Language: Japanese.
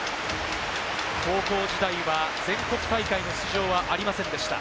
高校時代は全国大会出場はありませんでした。